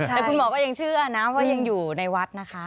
แต่คุณหมอก็ยังเชื่อนะว่ายังอยู่ในวัดนะคะ